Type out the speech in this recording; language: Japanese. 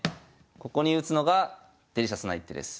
ここに打つのがデリシャスな一手です。